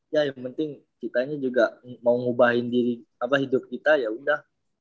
ya yang penting kita ini juga mau ngubahin diri hidup kita yaudah